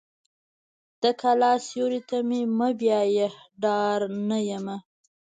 د کلا سیوري ته مې مه بیایه ډارنه یم.